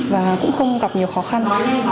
và cũng không gặp nhiều khó khăn